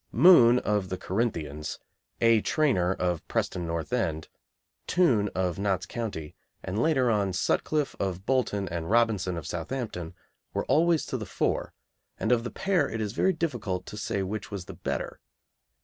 Moon, of the Corinthians; A. Trainor, of Preston North End; Toone, of Notts County; and, later on, Sutcliffe, of Bolton, and Robinson, of Southampton, were always to the fore, and of the pair it is very difficult to say which was the better.